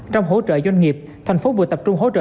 trong hỗ trợ doanh nghiệp thành phố vừa tập trung hỗ trợ